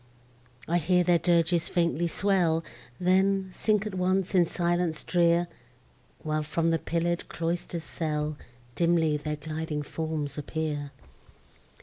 I hear their dirges faintly swell! Then, sink at once in silence drear, While, from the pillar'd cloister's cell, Dimly their gliding forms appear!